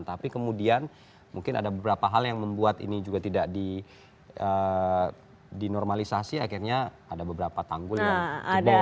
tapi kemudian mungkin ada beberapa hal yang membuat ini juga tidak dinormalisasi akhirnya ada beberapa tanggul yang jebol